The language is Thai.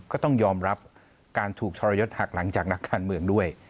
ก็ต้องยอมรับการถูกทรยศหักหลังจากนักการเมืองด้วย